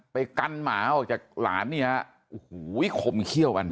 ไปกันหมาออกจากหลานเนี่ยโอ้โหคมเขี้ยวกัน